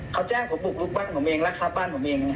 เขาแจ้งผมบุกลุกบ้านผมเองรักทรัพย์บ้านผมเอง